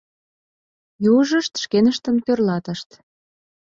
Южышт шкеныштыным тӧрлатышт.